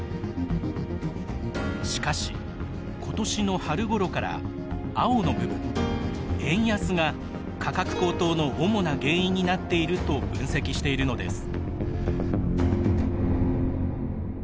しかし、今年の春ごろから青の部分＝円安が価格高騰の主な原因になっていると分析しているのです。